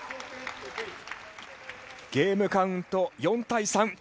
ゲームカウント４対３。